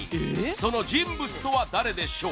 その人物とは誰でしょう？